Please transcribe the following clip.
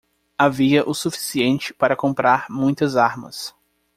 Havia o suficiente para comprar muitas armas.